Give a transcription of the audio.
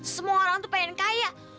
semua orang tuh pengen kaya